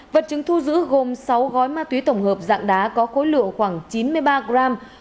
vật chứng thu giữ gồm sáu gói ma túy tổng hợp dạng đá có khối lượng khoảng chín mươi ba gram